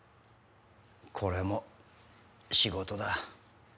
これも仕事だ。